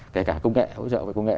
kể cả công nghệ hỗ trợ về công nghệ